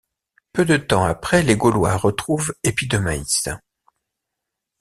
Peu de temps après, les Gaulois retrouvent Epidemaïs.